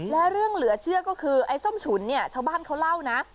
และเรื่องเหลือเชื่อก็คือไอ้ส้มฉุนเนี่ยชาวบ้านเขาเล่านะ